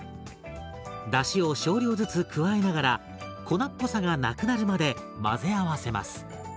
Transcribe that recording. だしを少量ずつ加えながら粉っぽさがなくなるまで混ぜ合わせます。